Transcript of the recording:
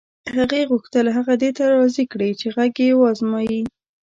هغې غوښتل هغه دې ته راضي کړي چې غږ یې و ازمایي